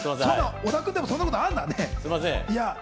小田君でもそんなことあるんだね。